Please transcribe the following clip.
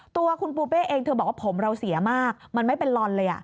ตัวคุณปูเป้เองเธอบอกว่าผมเราเสียมากมันไม่เป็นลอนเลย